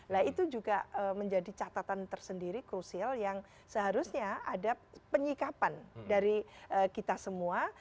nah itu juga menjadi catatan tersendiri krusial yang seharusnya ada penyikapan dari kita semua